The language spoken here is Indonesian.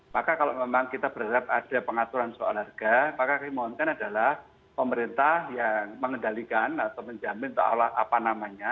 maka kalau memang kita berharap ada pengaturan soal harga maka kami mohonkan adalah pemerintah yang mengendalikan atau menjamin apa namanya